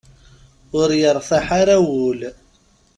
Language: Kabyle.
Ur yertaḥ ara wul.